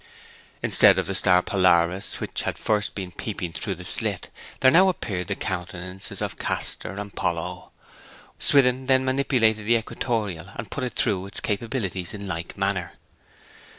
Instead of the star Polaris, which had first been peeping in through the slit, there now appeared the countenances of Castor and Pollux. Swithin then manipulated the equatorial, and put it through its capabilities in like manner.